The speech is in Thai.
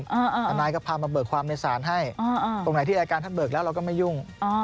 ทนายก็พามาเบิกความในศาลให้ตรงไหนที่อายการท่านเบิกแล้วเราก็ไม่ยุ่ง